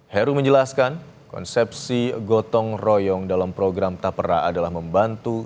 heru menjelaskan konsepsi gotong royong dalam program tapera adalah membantu